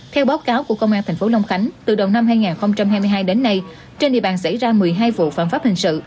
theo báo cáo của công an tp long khánh từ đầu năm hai nghìn hai mươi hai đến nay trên địa bàn xảy ra một mươi hai vụ phạm pháp hình sự